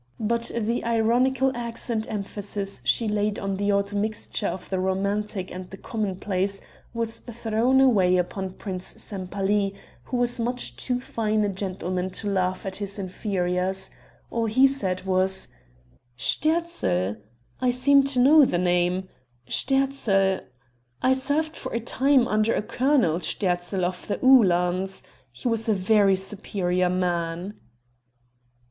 But the ironical accent emphasis she laid on the odd mixture of the romantic and the commonplace was thrown away upon Prince Sempaly, who was much too fine a gentleman to laugh at his inferiors; all he said was: "Sterzl? I seem to know the name. Sterzl I served for a time under a Colonel Sterzl of the Uhlans. He was a very superior man."